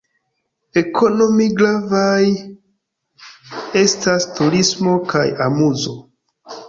Ekonomie gravaj estas turismo kaj amuzo.